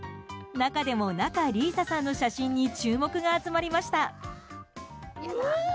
中でも仲里依紗さんの写真に注目が集まりました。